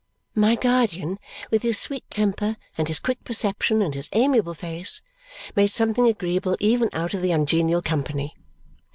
My guardian, with his sweet temper and his quick perception and his amiable face, made something agreeable even out of the ungenial company.